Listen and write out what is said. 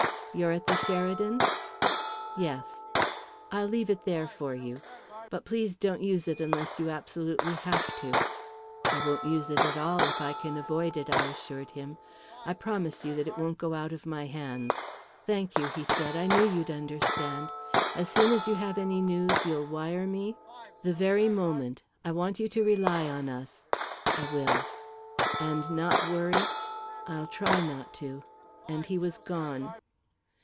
You're at the Sheridan?" "Yes." "I'll leave it there for you. But please don't use it unless you absolutely have to." "I won't use it at all, if I can avoid it," I assured him. "I promise you that it won't go out of my hands." "Thank you," he said. "I knew you'd understand. As soon as you have any news you'll wire me?" "The very moment. I want you to rely on us." "I will." "And not worry." "I'll try not to," and he was gone.